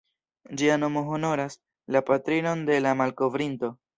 Ĝia nomo honoras la patrinon de la malkovrinto.